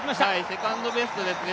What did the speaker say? セカンドベストですね。